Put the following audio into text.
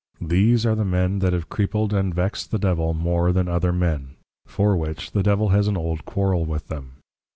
These are the Men, that have creepled, and vexed the Devil more than other Men; for which the Devil has an old Quarrel with them.